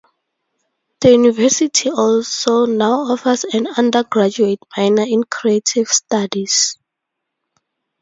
The university also now offers an undergraduate minor in Creative Studies.